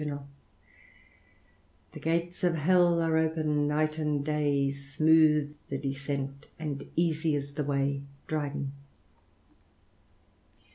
The gates of hell are open night and day ; Smooth the descent, and easy is the way.*' Dryden.